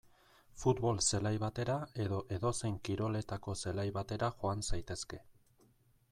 Futbol zelai batera edo edozein kiroletako zelai batera joan zaitezke.